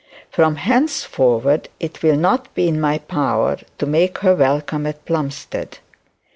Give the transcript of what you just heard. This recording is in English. From henceforward it will not be in my power to make her welcome at Plumstead.